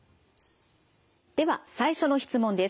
では最初の質問です。